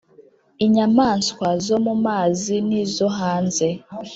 inyamaswa zo mu mazi nizo hanze.